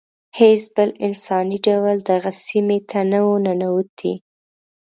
هیڅ بل انساني ډول دغه سیمې ته نه و ننوتی.